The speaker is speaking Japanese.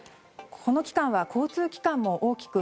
この期間は交通機関も大きく